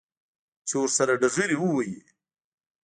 چې ورسره ډغرې ووهي.